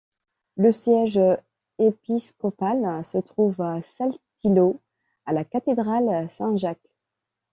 Le siège épiscopal se trouve à Saltillo, à la cathédrale Saint-Jacques.